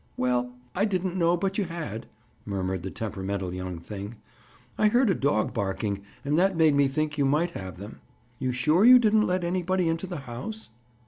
"Well, I didn't know but you had," murmured the temperamental young thing. "I heard a dog barking and that made me think you might have them. You're sure you didn't let anybody into the house?"